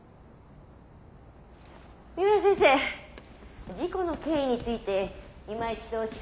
三浦先生事故の経緯についていま一度お聞かせ下さい。